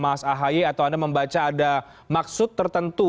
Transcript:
mas ahaye atau anda membaca ada maksud tertentu